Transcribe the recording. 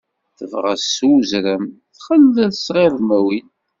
Tebges s uzrem, txellel s tɣirdmiwin.